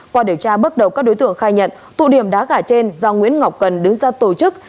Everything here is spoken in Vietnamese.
qua điều tra bước đầu các đối tượng khai nhận tụ điểm đá gà trên do nguyễn ngọc cần đứng ra tổ chức